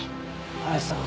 林さん。